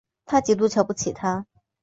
她极度瞧不起他